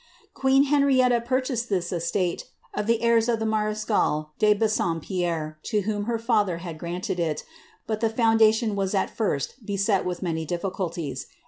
Queen Henrietta purchased this estate of the heirs of marechal de Bassompierre, to whom her father had granted it, but the foundation was at first beset with many difficulties.